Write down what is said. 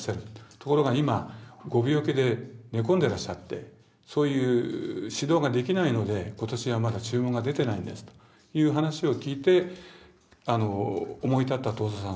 ところが今ご病気で寝込んでらっしゃってそういう指導ができないので今年はまだ注文が出てないんですという話を聞いて思い立った東蔵さん